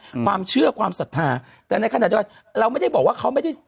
อืมความเชื่อความศรัทธาแต่ในขณะเดียวกันเราไม่ได้บอกว่าเขาไม่ได้